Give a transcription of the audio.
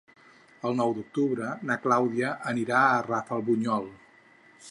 El nou d'octubre na Clàudia anirà a Rafelbunyol.